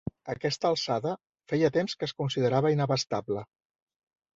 Aquesta alçada feia temps que es considerava inabastable.